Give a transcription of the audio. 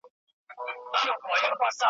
د نورو له احتیاجه خلاص